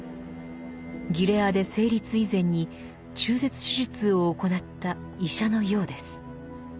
ギレアデ成立以前に中絶手術を行った医者のようです。